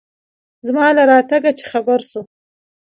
زما له راتگه چې خبر سو.